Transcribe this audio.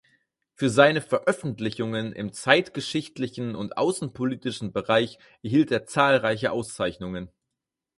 Für seine Veröffentlichungen im zeitgeschichtlichen und außenpolitischen Bereich erhielt er zahlreiche Auszeichnungen.